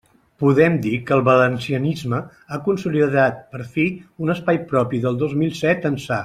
Podem dir que el valencianisme ha consolidat per fi un espai propi del dos mil set ençà.